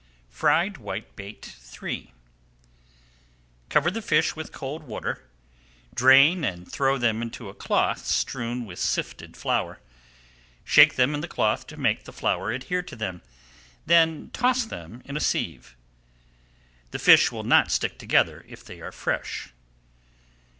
FRIED WHITEBAIT III Cover the fish with cold water, drain, and throw them into a cloth strewn with sifted flour. Shake them in the cloth to make the flour adhere to them, then toss them in a sieve. The fish will not stick together if they are fresh.